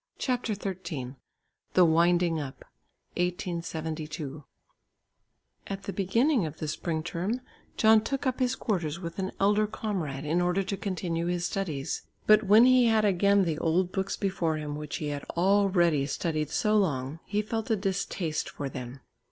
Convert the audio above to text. CHAPTER XIII THE WINDING UP (1872) At the beginning of the spring term, John took up his quarters with an elder comrade in order to continue his studies. But when he had again the old books before him which he had already studied so long, he felt a distaste for them.